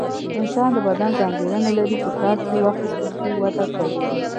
انسان د بدن ځانګړنه لري چې کار ترې واخیستل شي وده کوي.